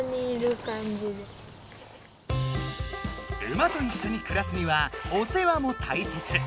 馬といっしょに暮らすにはおせ話もたいせつ。